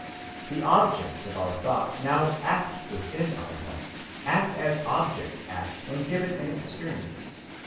The objects of our thought now act within our thought, act as objects act when given in experience.